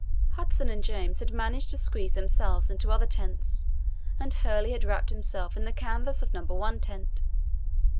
Hudson and James had managed to squeeze themselves into other tents, and Hurley had wrapped himself in the canvas of No. 1 tent.